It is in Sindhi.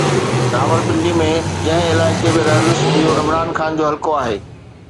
راولپنڊي ۾ جنهن علائقي ۾ رهندس اهو عمران خان جو حلقو آهي.